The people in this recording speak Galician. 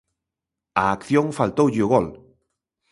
Á acción faltoulle o gol.